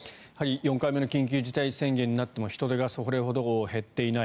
４回目の緊急事態宣言になっても人出がそれほど減っていない。